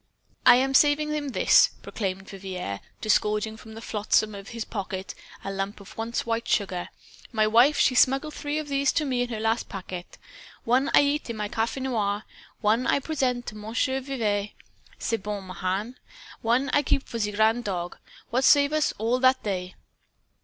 "I am saving him this!" proclaimed Vivier, disgorging from the flotsam of his pocket a lump of once white sugar. "My wife, she smuggle three of these to me in her last paquet. One I eat in my cafe noir; one I present to mon cher vieux, ce bon Mahan; one I keep for the grand dog what save us all that day."